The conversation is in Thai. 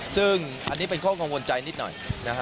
ซึ่งอันนี้เป็นข้อกังวลใจนิดหน่อยนะฮะ